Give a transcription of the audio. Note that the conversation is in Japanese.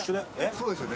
そうですよね。